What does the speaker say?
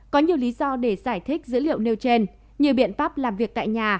có nhiều lý do để giải thích dữ liệu nêu trên như biện pháp làm việc tại nhà